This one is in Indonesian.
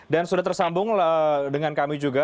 dan sudah tersambung dengan kami juga